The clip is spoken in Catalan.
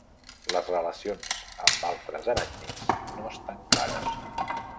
Les relacions amb altres aràcnids no estan clares.